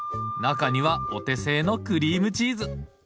中にはお手製のクリームチーズ！